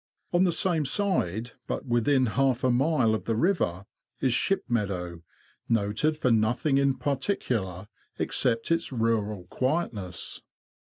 On the same side, but within half a mile of the river, is Shipmeadow, noted for nothing in particular except its rural quietness.